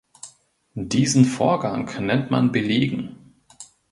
Diesen Vorgang nennt man „Belegen“.